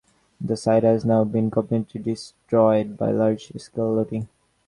The site has now been completely destroyed by large scale looting.